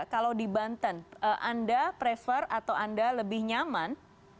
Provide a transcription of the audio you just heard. kalau di banten anda prefer atau anda lebih nyaman